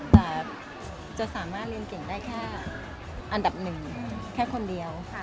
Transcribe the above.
แต่จะสามารถเรียนเก่งได้แค่อันดับหนึ่งแค่คนเดียว